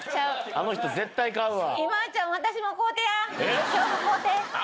あの人絶対買うわ。